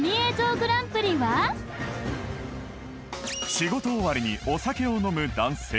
仕事終わりにお酒を飲む男性